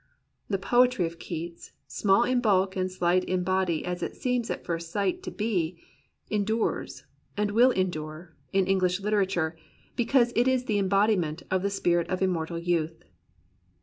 The poetry of Keats, small in bulk and slight in body as it seems at first sight to be, endures, and will endure, in Eng lish literature, because it is the embodiment of the spirit of immortal youth.